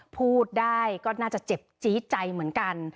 พูดได้ก็น่าจะเจ็บจี๊ดใจเหมือนกัน